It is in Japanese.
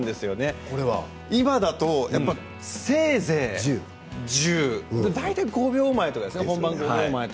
今だと、せいぜい１０秒大体５秒前ですよね本番の。